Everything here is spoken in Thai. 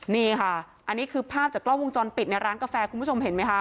นี่ค่ะอันนี้คือภาพจากกล้องวงจรปิดในร้านกาแฟคุณผู้ชมเห็นไหมคะ